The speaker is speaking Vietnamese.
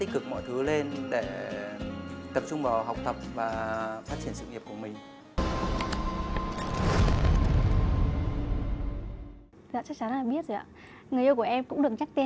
cùng bạn gái em thì